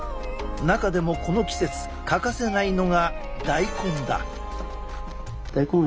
中でもこの季節欠かせないのが大根だ。